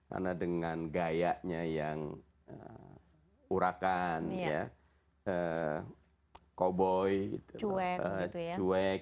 karena dengan gayanya yang urakan cowboy cuek